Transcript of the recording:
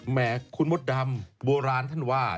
เม้คุณมุฒ์ดามภ่าบัลวิถันต์ว่า